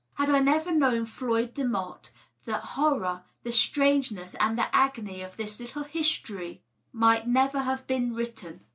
Had I never known Floyd Demotte, the horror, the strangeness and the agony of this little history might never have been written.